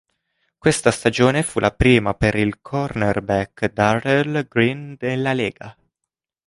Questa stagione fu la prima per il cornerback Darrell Green nella lega.